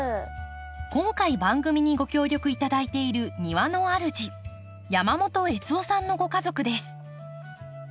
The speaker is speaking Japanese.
今回番組にご協力頂いている庭の主山本悦雄さんのご家族です。